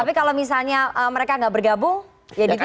tapi kalau misalnya mereka nggak bergabung ya ditunjuk